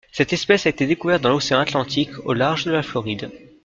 Cette espèce a été découverte dans l'océan Atlantique au large de la Floride.